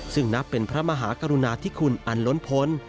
ซึ่งนับเป็นพระมหากรุณาธิคุณอันล้นพ้น